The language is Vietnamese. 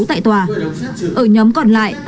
tại tòa ở nhóm còn lại